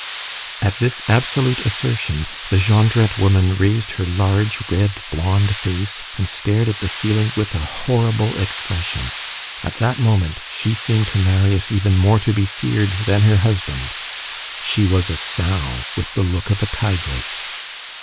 At this absolute assertion, the Jondrette woman raised her large, red, blonde face and stared at the ceiling with a horrible expression. At that moment, she seemed to Marius even more to be feared than her husband. She was a sow with the look of a tigress.